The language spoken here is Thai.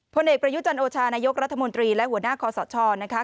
ผลเอกประยุจันโอชานายกรัฐมนตรีและหัวหน้าคอสชนะคะ